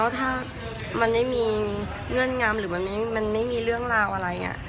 ถ้ามันไม่มีเงื่อนงำหรือมันไม่มีเรื่องราวอะไรอย่างนี้